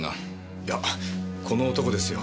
いやこの男ですよ。